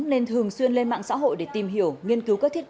nên thường xuyên lên mạng xã hội để tìm hiểu nghiên cứu các thiết bị